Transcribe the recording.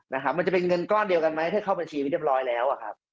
มันจะเป็นเงินก้อนเดียวกันไหมถ้าเข้าบัญชีไว้เรียบร้อยแล้วอะครับ